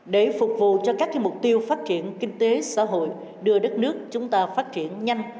để phục vụ cho các mục tiêu phát triển kinh tế xã hội đưa đất nước chúng ta phát triển nhanh